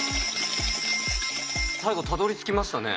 最後たどりつきましたね。